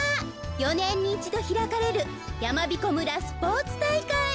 ４ねんにいちどひらかれるやまびこ村スポーツたいかい。